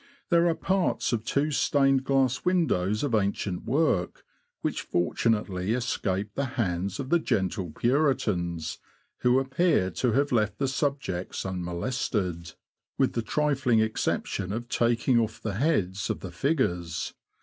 There are parts of two stained glass windows of ancient work, which fortunately escaped the hands of the gentle Puritans, who appear to have left the subjects unmolested, with the trifling exception of taking off the heads of the figures.